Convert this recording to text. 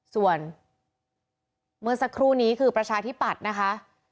ส่วนเมื่อสักครู่นี้คือประชาธิปัตย์นะคะ